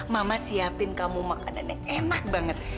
mama siapin kamu makanan yang enak banget